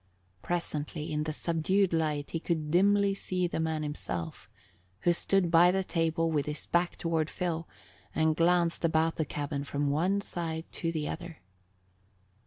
Presently in the subdued light he could dimly see the man himself, who stood by the table with his back toward Phil and glanced about the cabin from one side to the other.